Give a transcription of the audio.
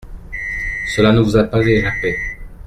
Cela ne vous a pas échappé.